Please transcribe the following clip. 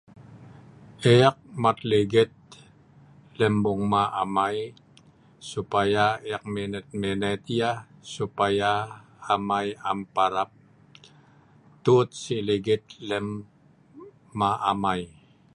Ek mat ligit lem bungma amai, supaya ek minet-minet yah, supaya amai am parap tut si ligit lem ma' amai.